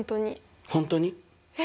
え？